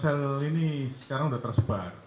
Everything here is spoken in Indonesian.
jadi sel sel ini sekarang sudah tersebar